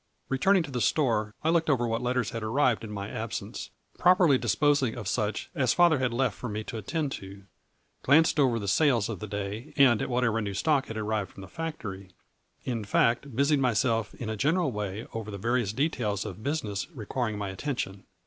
Returning to the store I looked over what letters had arrived in my absence, properly dis posing of such as father had left for me to attend to, glanced over the sales of the day and at whatever new stock had arrived from the factory ; in fact, busied myself in a general way over the various details of business requiring my attention.